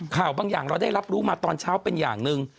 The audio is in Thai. บางอย่างเราได้รับรู้มาตอนเช้าเป็นอย่างหนึ่ง